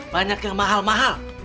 banyak yang mahal mahal